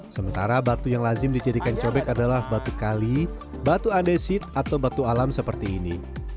sementara batu yang lazim dijadikan cobek adalah batu kali batu andesit atau batu alam seperti ini